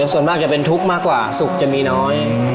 ส่วนมากจะเป็นทุกข์มากกว่าสุขจะมีน้อย